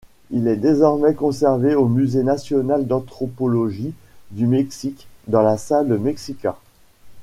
Il est désormais conservé au musée national d'anthropologie du Mexique, dans la salle mexica.